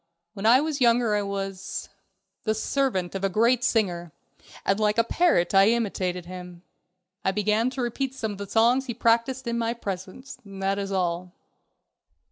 When I was younger I was ... the servant of a great singer, and like a parrot I imitated him. I began to repeat some of the songs he practiced in my presence. That is all."